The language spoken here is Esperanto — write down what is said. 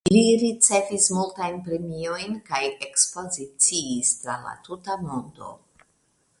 Li ricevis multajn premiojn kaj ekspoziciis tra la tuta mondo.